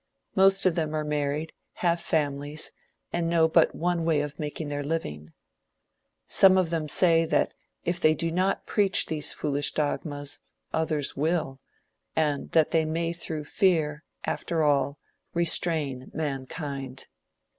Most of them are married, have families, and know but one way of making their living. Some of them say that if they do not preach these foolish dogmas, others will, and that they may through fear, after all, restrain mankind.